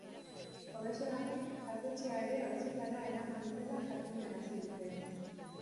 Horrexegatik, jatetxeaere auzitara eraman dutela jakinarazi dute.